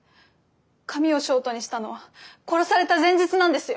髪をショートにしたのは殺された前日なんですよ。